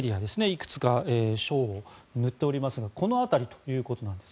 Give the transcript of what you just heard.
いくつかの省を塗っていますがこの辺りということです。